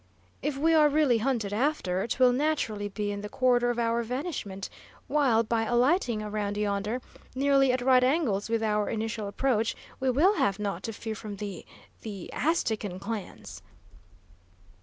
"If we are really hunted after, 'twill naturally be in the quarter of our vanishment, while by alighting around yonder, nearly at right angles with our initial approach, we will have naught to fear from the the Aztecan clans!"